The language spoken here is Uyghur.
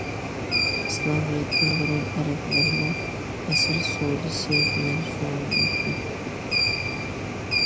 ئىسلامىيەتتىن بۇرۇن ئەرەبلەرمۇ ئەسىر سودىسى بىلەن شۇغۇللىناتتى.